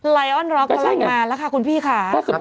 ลายออนร็อกก็มาแล้วคุณพี่ค่ะ